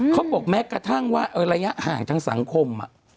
เขาบอกแม้กระทั่งว่าระยะห่างทางสังคม